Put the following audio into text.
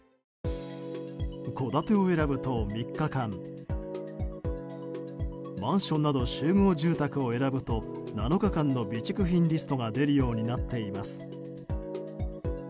戸建てを選ぶと３日間マンションなど集合住宅を選ぶと７日間の備蓄品リストが出るようになっています。